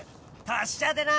達者でな！